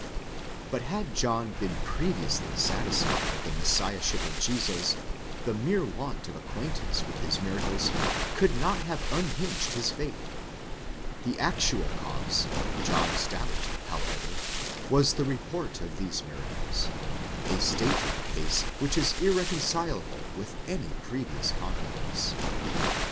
But had John been previously satisfied of the Messiahship of Jesus, the mere want of acquaintance with his miracles could not have unhinged his faith. The actual cause of John's doubt, however, was the report of these miracles ;—a state of the case which is irreconcilable with any previous con fidence.